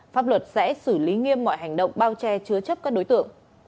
pháp luật sẽ xử lý nghiêm mọi hành động bao che chứa chấp các đối tượng